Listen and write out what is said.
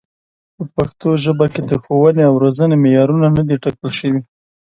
په پښتو ژبه د ښوونې او روزنې معیارونه نه دي ټاکل شوي.